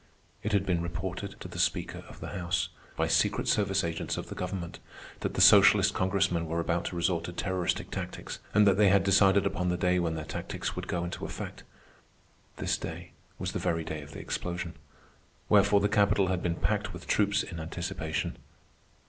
It had been reported to the Speaker of the House, by secret service agents of the government, that the Socialist Congressmen were about to resort to terroristic tactics, and that they had decided upon the day when their tactics would go into effect. This day was the very day of the explosion. Wherefore the Capitol had been packed with troops in anticipation.